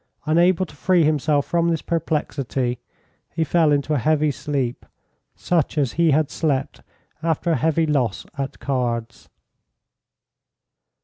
Unable to free himself from his perplexity, he fell into a heavy sleep, such as he had slept after a heavy loss at cards.